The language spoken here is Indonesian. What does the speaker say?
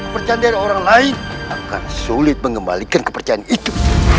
kepercayaan dari orang lain akan sulit mengembalikan kepercayaan itu